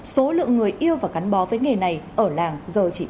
số lượng người yêu và cắn bó với nghề này ở làng giờ chỉ còn